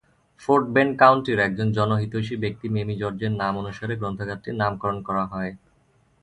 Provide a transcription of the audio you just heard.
Fort Bend কাউন্টির একজন জনহিতৈষী ব্যক্তি মেমি জর্জের নামানুসারে গ্রন্থাগারটির নামকরণ করা হয়।